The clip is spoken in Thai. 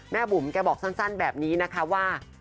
บุ๋มแกบอกสั้นแบบนี้นะคะว่า